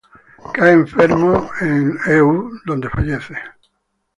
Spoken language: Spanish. Cae enfermo en Eu, donde fallece.